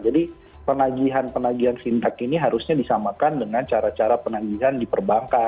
jadi penagihan penagihan fintech ini harusnya disamakan dengan cara cara penagihan di perbankan